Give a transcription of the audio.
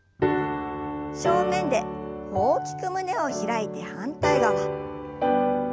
正面で大きく胸を開いて反対側。